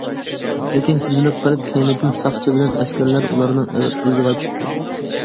لېكىن، سېزىلىپ قېلىپ، كەينىدىن ساقچى بىلەن ئەسكەرلەر ئۇلارنىڭ ئىزىغا چۈشۈپتۇ.